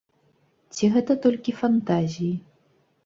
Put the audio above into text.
Ці гэта толькі фантазіі?